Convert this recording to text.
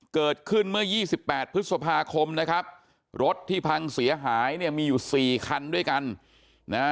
เกิดขึ้นเมื่อ๒๘พฤษภาคมนะครับรถที่พังเสียหายเนี่ยมีอยู่สี่คันด้วยกันนะฮะ